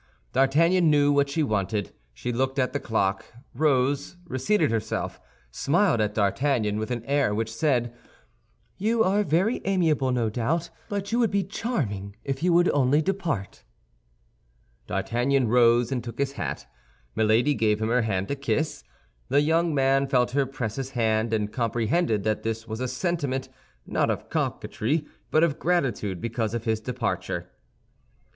D'Artagnan knew what she wanted. She looked at the clock, rose, reseated herself, smiled at D'Artagnan with an air which said, "You are very amiable, no doubt, but you would be charming if you would only depart." D'Artagnan rose and took his hat; Milady gave him her hand to kiss. The young man felt her press his hand, and comprehended that this was a sentiment, not of coquetry, but of gratitude because of his departure.